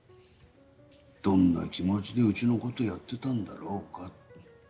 どんな気持ちで家のことやってたんだろうか。